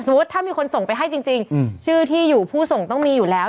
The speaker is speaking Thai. ถ้ามีคนส่งไปให้จริงชื่อที่อยู่ผู้ส่งต้องมีอยู่แล้ว